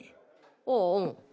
ああうん。